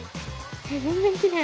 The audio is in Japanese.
全然きれい。